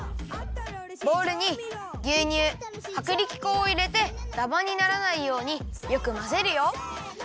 ボウルにぎゅうにゅうはくりき粉をいれてダマにならないようによくまぜるよ。